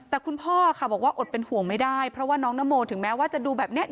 แต่คุณพ่อค่ะบอกว่าอดเป็นห่วงไม่ได้เพราะว่าน้องนโมถึงแม้ว่าจะดูแบบเนี้ย